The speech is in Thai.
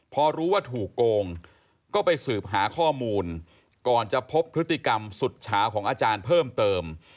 พอรู้ว่าถูกโกงก็ไปสืบหาข้อมูลก่อนจะพบพฤติกรรมสุดฉาของอาจารย์เพิ่มเติม